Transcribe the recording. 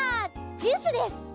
ジュースです！